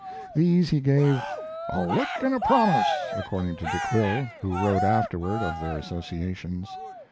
These he gave "a lick and a promise," according to De Quille, who wrote afterward of their associations.